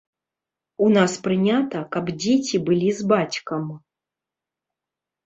У нас прынята, каб дзеці былі з бацькам.